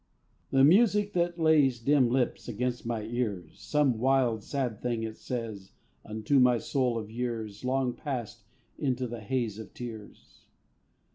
The music now that lays Dim lips against my ears, Some wild sad thing it says, Unto my soul, of years Long passed into the haze Of tears.